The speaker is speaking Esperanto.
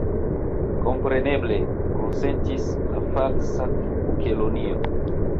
"Kompreneble," konsentis la Falsa Kelonio.